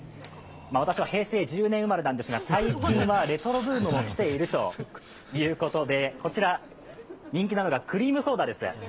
私は平成１０年生まれなんですが、最近はレトロブームも来ているということでこちら、人気なのがクリームソーダです。